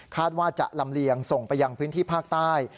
ว่าจะลำเลียงส่งไปยังพื้นที่ภาคใต้